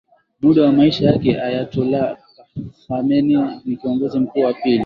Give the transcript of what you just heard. muda wa maisha yake Ayatollah Khamenei ni Kiongozi Mkuu wa pili